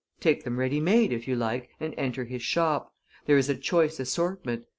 Take them ready made, if you like, and enter his shop; there is a choice assortment.